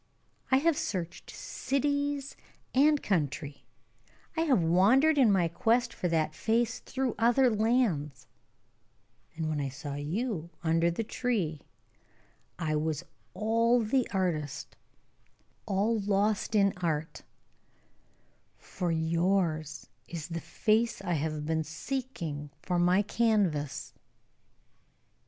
I have searched cities and country; I have wandered in my quest for that face through other lands; and when I saw you under the tree, I was all the artist all lost in art for yours is the face I have been seeking for my canvas."